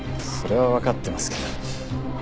それはわかってますけど。